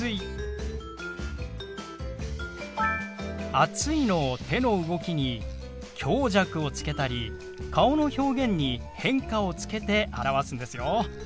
「暑い」の手の動きに強弱をつけたり顔の表現に変化をつけて表すんですよ。